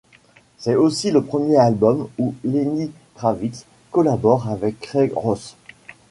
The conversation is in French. C'est aussi le premier album où Lenny Kravitz collabore avec Craig Ross.